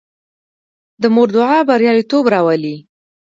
د مور دعا بریالیتوب راولي.